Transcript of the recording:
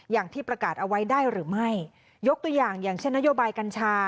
อย่างที่ประกาศเอาไว้ได้หรือไม่ยกตัวอย่างอย่างเช่นนโยบายกัญชา